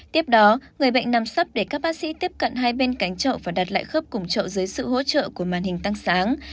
tiếp đó người bệnh nằm sắp để các bác sĩ tiếp cận hai bên cánh chậu và đặt lại khớp cùng chợ dưới sự hỗ trợ của màn hình tăng sáng